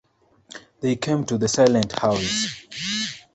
They came to the silent house.